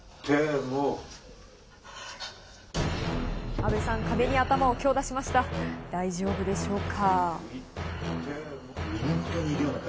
阿部さん、壁に頭を強打しました、大丈夫でしょうか？